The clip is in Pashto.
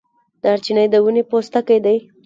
دارچینی د ونې پوستکی دی